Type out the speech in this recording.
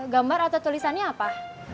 gambar atau tulisannya apa